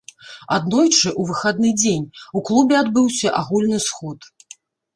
Аднойчы, у выхадны дзень, у клубе адбыўся агульны сход.